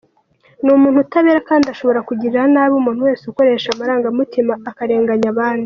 Ni umuntu utabera kandi ashobora kugirira nabi umuntu wese ukoresha amarangamutima akarenganya abandi.